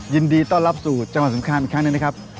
ยินดีต้อนรับสู่จังหวัดสงครามอีกครั้งหนึ่งนะครับ